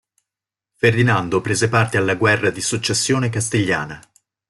Ferdinando prese parte alla Guerra di successione castigliana.